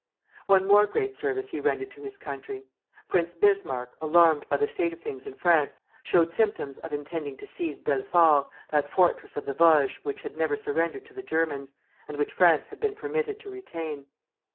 One more great service he rendered to his country. Prince Bismarck, alarmed by the state of things in France, showed symptoms of intending to seize Belfort, that fortress in the Vosges which had never surrendered to the Germans, and which France had been permitted to retain.